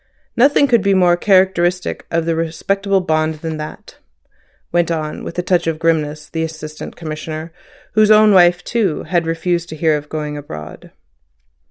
Nothing could be more characteristic of the respectable bond than that," went on, with a touch of grimness, the Assistant Commissioner, whose own wife too had refused to hear of going abroad.